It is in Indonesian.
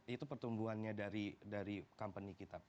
itu pertumbuhannya dari company kita